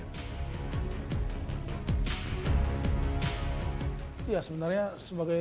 pemimpin dan pemilik petinju indonesia yang mencari keuntungan di perusahaan ini